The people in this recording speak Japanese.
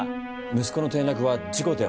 息子の転落は事故では。